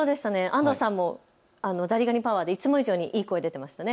安藤さんもザリガニパワーでいつも以上に声が出ていましたね。